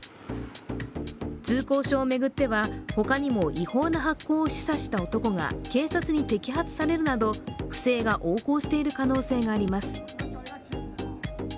通行証を巡っては、ほかにも違法な発行を示唆した男が警察に摘発されるなど不正が横行している可能性があります。